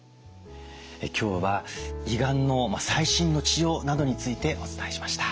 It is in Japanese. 今日は胃がんの最新の治療などについてお伝えしました。